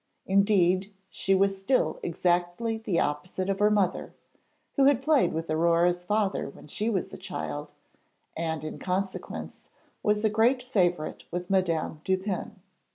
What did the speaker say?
Indeed, she was still exactly the opposite of her mother, who had played with Aurore's father when she was a child, and in consequence was a great favourite with Madame Dupin.